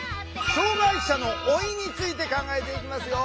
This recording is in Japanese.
「障害者の老い」について考えていきますよ。